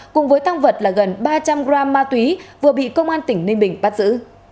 cùng với tăng vật là gần ba trăm linh gram ma túy vừa bị công an tỉnh ninh bình bắt giữ